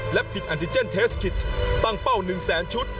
และผิดอันติเจนเทสคิตตั้งเป้า๑แสนชุด